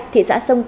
thị xã sông công